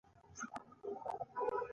بدرنګه خوی له شره ډک وي